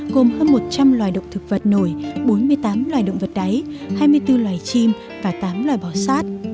gồm hơn một trăm linh loài động thực vật nổi bốn mươi tám loài động vật đáy hai mươi bốn loài chim và tám loài bò sát